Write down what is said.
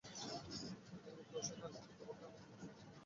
দিন দশেক আগে কর্তৃপক্ষ আমাকে ভিসা দিতে তাদের অপারগতার কথা জানায়।